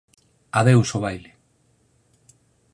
Adeus ó baile: